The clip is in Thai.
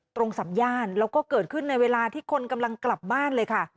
สำย่านแล้วก็เกิดขึ้นในเวลาที่คนกำลังกลับบ้านเลยค่ะ